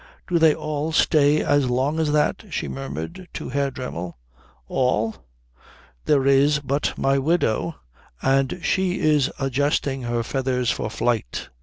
"Do they all stay as long as that?" she murmured to Herr Dremmel. "All? There is but my widow, and she is adjusting her feathers for flight.